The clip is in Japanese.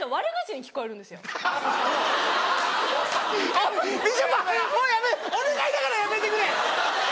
おいみちょぱもうお願いだからやめてくれ！